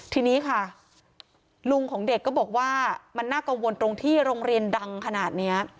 ทีนี้ค่ะลุงของเด็กก็บอกว่ามันน่ากังวลตรงที่โรงเรียนดังขนาดนี้